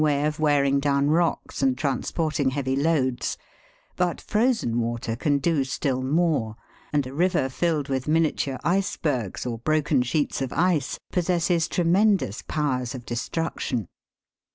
way of wearing down rocks, and transporting heavy loads ; but frozen water can do still more, and a river filled with miniature icebergs, or broken sheets of ice, possesses tremendous powers of destruction.